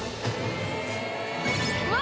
うわ！